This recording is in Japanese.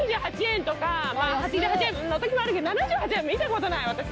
８８円の時もあるけど７８円見た事ない私。